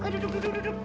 duduk duduk duduk